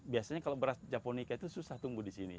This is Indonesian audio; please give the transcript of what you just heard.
biasanya kalau beras japonica itu susah tunggu di sini